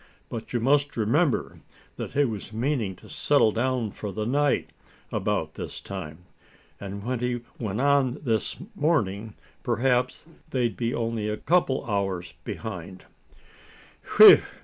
"But you must remember that he was meaning to settle down for the night about this time. And when he went on this morning, perhaps they'd be only a couple of hours behind." "Whew!